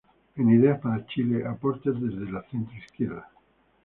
En Ideas para Chile: Aportes desde la Centro-Izquierda.